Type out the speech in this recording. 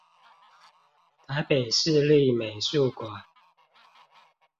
臺北市立美術館